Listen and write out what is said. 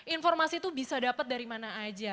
informasi itu bisa dapat dari mana aja